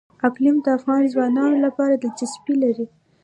اقلیم د افغان ځوانانو لپاره دلچسپي لري.